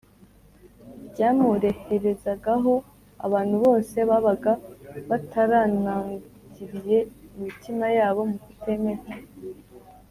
byamureherezagaho abantu bose babaga bataranangiriye imitima yabo mu kutemera